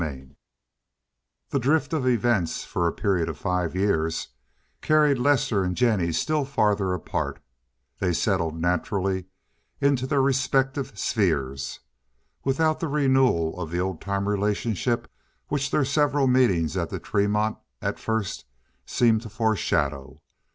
CHAPTER LX The drift of events for a period of five years carried Lester and Jennie still farther apart; they settled naturally into their respective spheres, without the renewal of the old time relationship which their several meetings at the Tremont at first seemed to foreshadow.